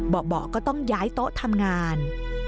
เบาะก็ต้องย้ายโต๊ะทำงาน